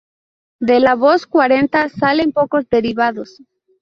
De la voz cuarenta salen pocos derivados.